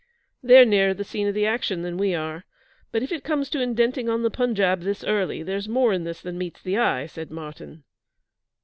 'They're nearer the scene of action than we are; but if it comes to indenting on the Punjab this early, there's more in this than meets the eye,' said Martyn.